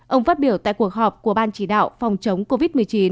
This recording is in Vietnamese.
ông phát biểu tại cuộc họp của ban chỉ đạo phòng chống covid một mươi chín